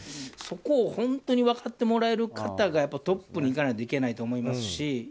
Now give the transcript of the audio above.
そこを本当に分かってもらえる方がトップに行かないといけないと思いますし。